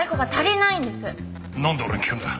なんで俺に聞くんだよ？